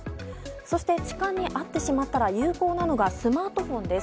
そして、痴漢に遭ってしまったら有効なのがスマートフォンです。